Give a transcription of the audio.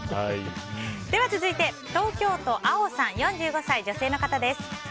では続いて東京都４５歳女性の方です。